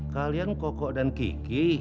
kalian koko dan kiki